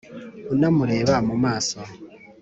unamureba mu maso.